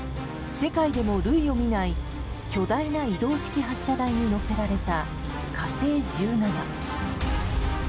世界でも類を見ない巨大な移動式発射台に乗せられた「火星１７」。